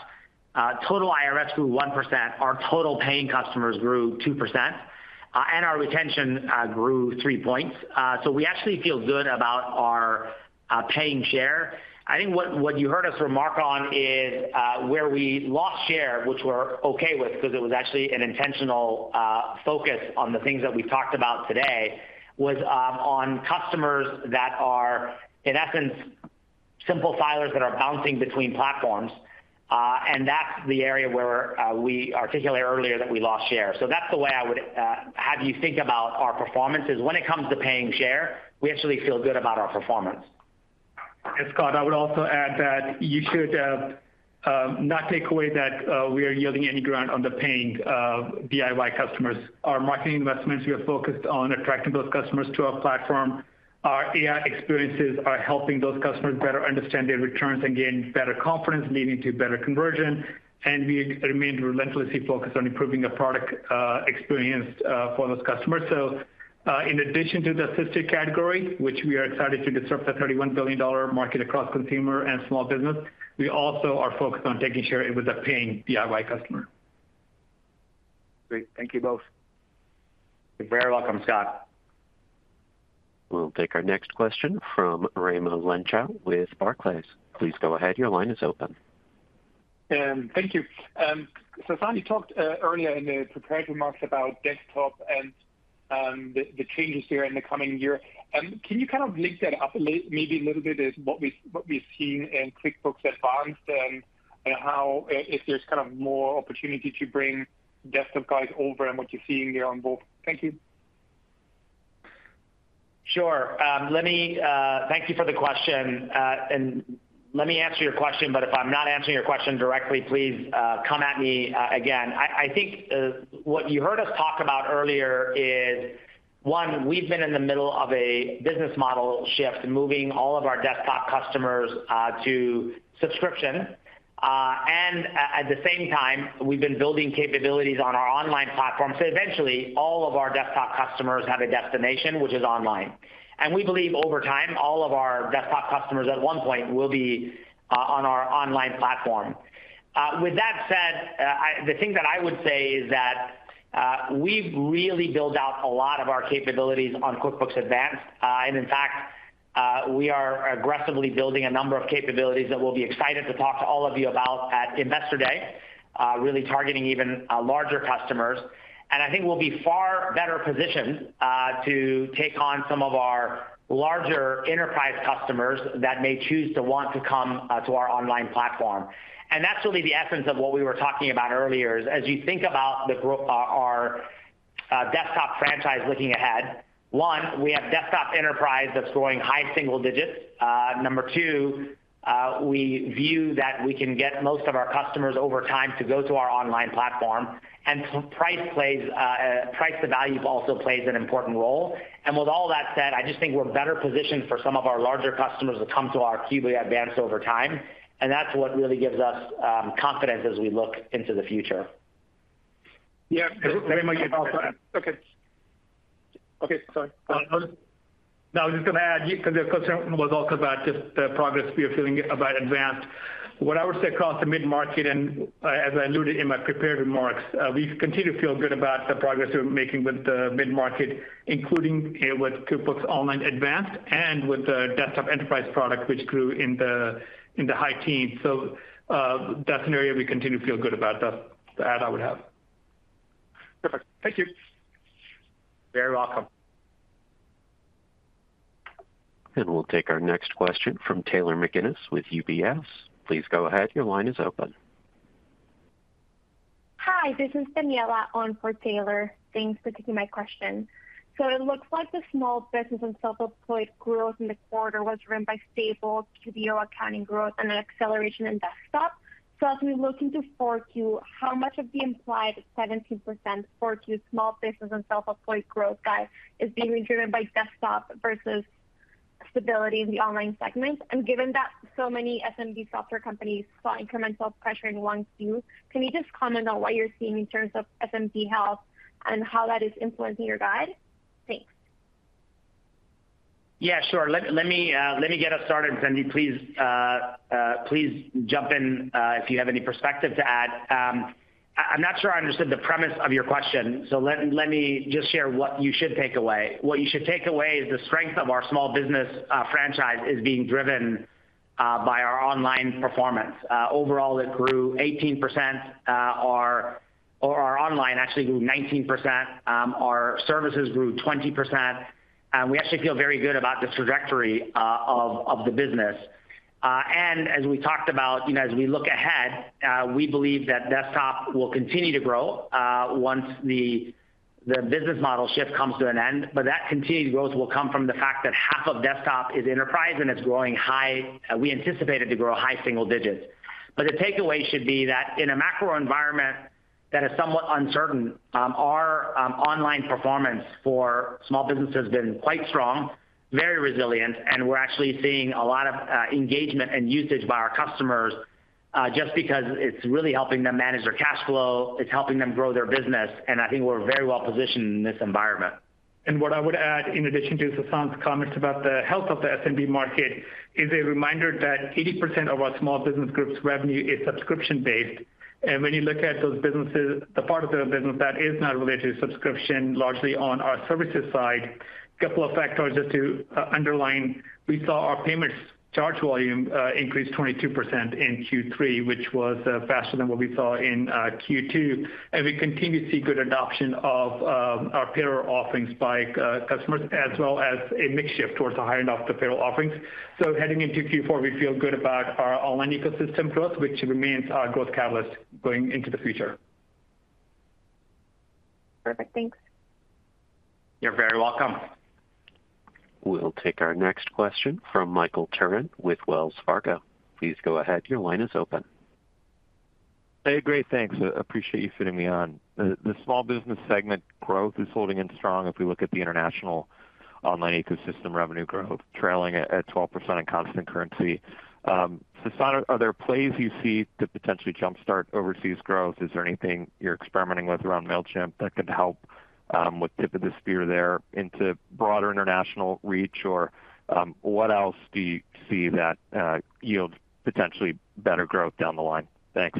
total IRS grew 1%, our total paying customers grew 2%, and our retention grew 3 points. So we actually feel good about our paying share. I think what you heard us remark on is where we lost share, which we're okay with, 'cause it was actually an intentional focus on the things that we've talked about today, on customers that are, in essence, simple filers that are bouncing between platforms. And that's the area where we articulated earlier that we lost share. So that's the way I would have you think about our performance is when it comes to paying share, we actually feel good about our performance.https://editor.inflexiontranscribe.com/static/media/icon-play.39003f0a4baacd961cc853b952165cc5.svg Scott, I would also add that you should not take away that we are yielding any ground on the paying DIY customers. Our marketing investments, we are focused on attracting those customers to our platform. Our AI experiences are helping those customers better understand their returns and gain better confidence, leading to better conversion, and we remain relentlessly focused on improving the product experience for those customers. So, in addition to the assisted category, which we are excited to disrupt a $31 billion market across consumer and small business, we also are focused on taking share with the paying DIY customer. Great. Thank you both. You're very welcome, Scott. We'll take our next question from Raimo Lenschow with Barclays. Please go ahead. Your line is open. Thank you. Sasan, you talked earlier in the prepared remarks about desktop and the changes there in the coming year. Can you kind of link that up maybe a little bit as what we've seen in QuickBooks Advanced and how if there's kind of more opportunity to bring desktop guys over and what you're seeing there on both? Thank you. Sure. Let me, thank you for the question. And let me answer your question, but if I'm not answering your question directly, please, come at me, again. I think what you heard us talk about earlier is, one, we've been in the middle of a business model shift, moving all of our desktop customers to subscription. And at the same time, we've been building capabilities on our online platform. So eventually, all of our desktop customers have a destination, which is online. And we believe over time, all of our desktop customers, at one point, will be on our online platform. With that said, the thing that I would say is that, we've really built out a lot of our capabilities on QuickBooks Advanced. And in fact, we are aggressively building a number of capabilities that we'll be excited to talk to all of you about at Investor Day, really targeting even larger customers. And I think we'll be far better positioned to take on some of our larger enterprise customers that may choose to want to come to our online platform. And that's really the essence of what we were talking about earlier, is as you think about our desktop franchise looking ahead, one, we have Desktop Enterprise that's growing high single digits. Number two, we view that we can get most of our customers over time to go to our online platform, and price plays, price to value also plays an important role. With all that said, I just think we're better positioned for some of our larger customers to come to our QB Advanced over time, and that's what really gives us confidence as we look into the future. Yeah, very much. Okay. Sorry. No, I was just gonna add, because the question was also about just the progress we are feeling about Advanced. What I would say across the mid-market, and, as I alluded in my prepared remarks, we continue to feel good about the progress we're making with the mid-market, including, with QuickBooks Online Advanced and with the Desktop Enterprise product, which grew in the high teens. So, that's an area we continue to feel good about. That's the add I would have. Perfect. Thank you. You're very welcome. We'll take our next question from Taylor McGinnis with UBS. Please go ahead. Your line is open. Hi, this is Daniela on for Taylor. Thanks for taking my question. So it looks like the small business and self-employed growth in the quarter was driven by stable QBO accounting growth, and an acceleration in desktop. So as we look into 4Q, how much of the implied 17% 4Q small business and self-employed growth guide is being driven by desktop versus stability in the online segment? And given that so many SMB software companies saw incremental pressure in 1Q, can you just comment on what you're seeing in terms of SMB health and how that is influencing your guide? Thanks. Yeah, sure. Let me get us started. Sandeep, please jump in if you have any perspective to add. I'm not sure I understood the premise of your question, so let me just share what you should take away. What you should take away is the strength of our small business franchise is being driven by our online performance. Overall, it grew 18%, or our online actually grew 19%, our services grew 20%, and we actually feel very good about the trajectory of the business. And as we talked about, you know, as we look ahead, we believe that desktop will continue to grow once the business model shift comes to an end. But that continued growth will come from the fact that half of desktop is enterprise, and it's growing high. We anticipate it to grow high single digits. But the takeaway should be that in a macro environment that is somewhat uncertain, our online performance for small business has been quite strong, very resilient, and we're actually seeing a lot of engagement and usage by our customers just because it's really helping them manage their cash flow. It's helping them grow their business, and I think we're very well-positioned in this environment. What I would add, in addition to Sasan's comments about the health of the SMB market, is a reminder that 80% of our small business group's revenue is subscription-based. When you look at those businesses, the part of the business that is not related to subscription, largely on our services side, a couple of factors just to underline. We saw our payments charge volume increase 22% in Q3, which was faster than what we saw in Q2. We continue to see good adoption of our payroll offerings by customers, as well as a mix shift towards the higher end of the payroll offerings. So heading into Q4, we feel good about our online ecosystem growth, which remains our growth catalyst going into the future. Perfect. Thanks. You're very welcome. We'll take our next question from Michael Turrin with Wells Fargo. Please go ahead. Your line is open. Hey, great, thanks. Appreciate you fitting me on. The small business segment growth is holding in strong if we look at the international online ecosystem revenue growth, trailing at 12% in constant currency. Sasan, are there plays you see to potentially jumpstart overseas growth? Is there anything you're experimenting with around Mailchimp that could help with tip of the spear there into broader international reach? Or, what else do you see that yields potentially better growth down the line? Thanks.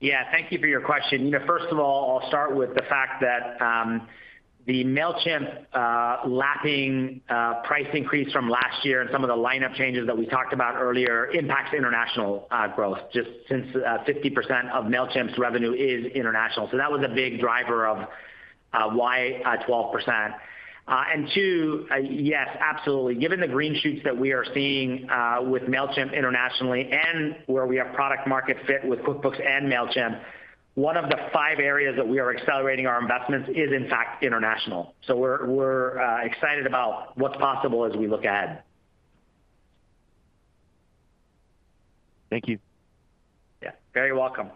Yeah, thank you for your question. You know, first of all, I'll start with the fact that the Mailchimp lapping price increase from last year and some of the lineup changes that we talked about earlier impacts international growth, just since 50% of Mailchimp's revenue is international. So that was a big driver of why 12%. And two, yes, absolutely. Given the green shoots that we are seeing with Mailchimp internationally and where we have product market fit with QuickBooks and Mailchimp, one of the five areas that we are accelerating our investments is, in fact, international. So we're excited about what's possible as we look ahead. Thank you. Yeah, very welcome.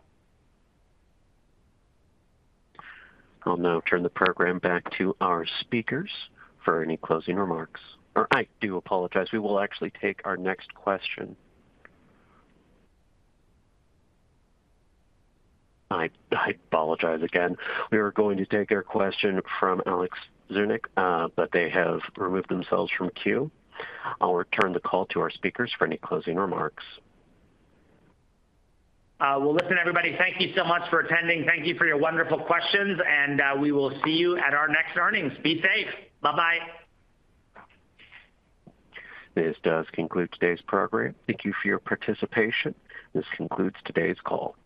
I'll now turn the program back to our speakers for any closing remarks. Or, I do apologize. We will actually take our next question. I, I apologize again. We were going to take a question from Alex Zukin, but they have removed themselves from queue. I'll return the call to our speakers for any closing remarks. Well, listen, everybody, thank you so much for attending. Thank you for your wonderful questions, and we will see you at our next earnings. Be safe. Bye-bye. This does conclude today's program. Thank you for your participation. This concludes today's call.